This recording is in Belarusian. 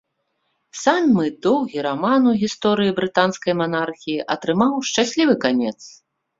Самы доўгі раман у гісторыі брытанскай манархіі атрымаў шчаслівы канец.